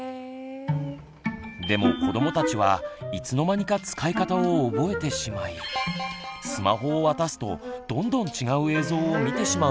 でも子どもたちはいつの間にか使い方を覚えてしまいスマホを渡すとどんどん違う映像を見てしまうそうです。